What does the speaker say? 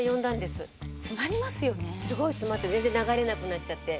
すごい詰まって全然流れなくなっちゃって。